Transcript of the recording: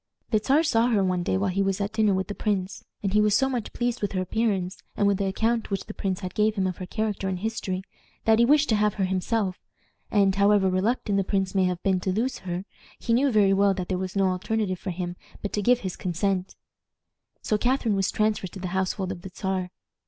The Czar saw her one day while he was at dinner with the prince, and he was so much pleased with her appearance, and with the account which the prince gave him of her character and history, that he wished to have her himself; and, however reluctant the prince may have been to lose her, he knew very well that there was no alternative for him but to give his consent. So Catharine was transferred to the household of the Czar.